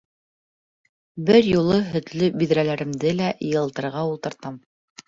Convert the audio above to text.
Бер юлы һөтлө биҙрәләремде лә йылытырға ултыртам.